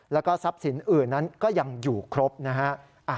แล้วก็ทรัพย์สินอื่นนั้นก็ยังอยู่ครบนะฮะ